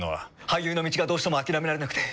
俳優の道がどうしても諦められなくて。